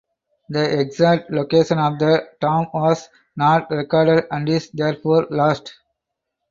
The exact location of the tomb was not recorded and is therefore lost.